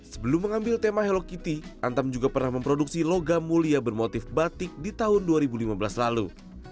sebelum mengambil tema hello kitty antam juga pernah memproduksi logam mulia bermotif batik di tahun dua ribu lima belas lalu